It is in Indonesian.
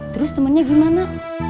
terus temennya gimana